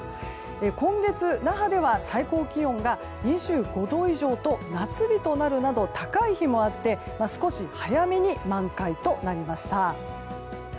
今月、那覇では最高気温が２５度以上と夏日となるなど高い日もあって少し早めに満開となりました。